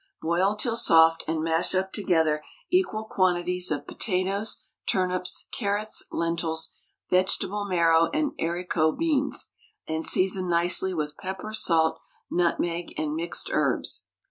Boil till soft, and mash up together equal quantities of potatoes, turnips, carrots, lentils, vegetable marrow, and haricot beans, and season nicely with pepper, salt, nutmeg, and mixed herbs.